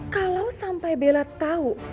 kalau sampai belah tau